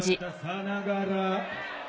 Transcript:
さながら。